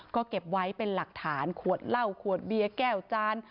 ก็เก็บไว้เป็นหลักฐานขวดเหล้าขวดเบียร์แก้วจาน